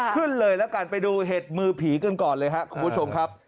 ขึ้นเลยแล้วกันไปดูเห็ดมือผีกันก่อนเลยครับคุณผู้ชมครับ